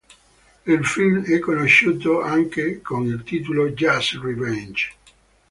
Il film è conosciuto anche con il titolo "Just Revenge".